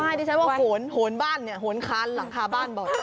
ไม่นี่ใช้ว่าโหนบ้านโหนคานหลังคาบ้านบ่อย